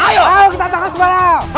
ayo kita tangkap sebarah